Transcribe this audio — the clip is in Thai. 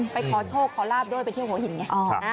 ไปขอโชคขอลาบด้วยไปเที่ยวหัวหินไง